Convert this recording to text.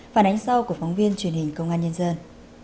phản ánh sau của phóng viên truyền hình công an nhân dân